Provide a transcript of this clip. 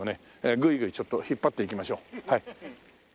グイグイちょっと引っ張っていきましょう。